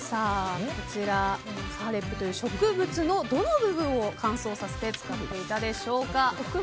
サハレップという植物のどの部分を乾燥させて使っていたでしょうか？